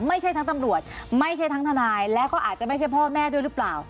ไม่ใช่ทั้งตำรวจไม่ใช่ทั้งทนายและก็อาจจะไม่ใช่พ่อแม่ด้วยหรือเปล่า